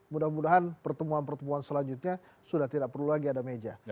mudah mudahan pertemuan pertemuan selanjutnya sudah tidak perlu lagi ada meja